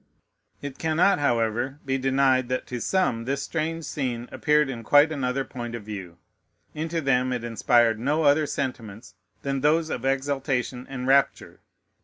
It cannot, however, be denied that to some this strange scene appeared in quite another point of view. Into them it inspired no other sentiments than those of exultation and rapture.